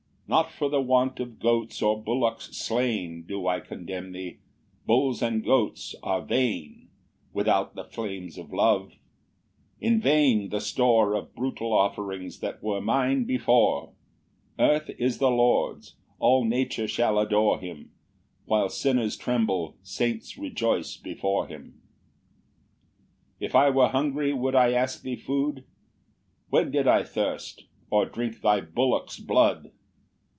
8 "Not for the want of goats or bullocks slain "Do I condemn thee; bulls and goats are vain "Without the flames of love; in vain the store "Of brutal offerings that were mine before:" Earth is the Lord's; all nature shall adore him; While sinners tremble, saints rejoice before him. 9 "If I were hungry, would I ask thee food? "When did I thirst, or drink thy bullocks blood?